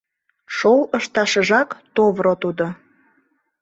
— Шол ышташыжак товро тудо...